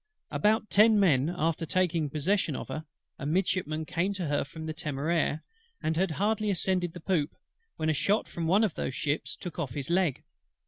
About ten minutes after taking possession of her, a Midshipman came to her from the Temeraire; and had hardly ascended the poop, when a shot from one of those ships took off his leg.